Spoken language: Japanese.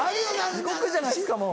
地獄じゃないですかもう。